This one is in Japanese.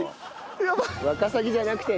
ワカサギじゃなくてね？